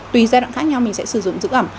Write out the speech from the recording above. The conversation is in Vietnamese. tùy giai đoạn khác nhau mình sẽ sử dụng giữ ẩm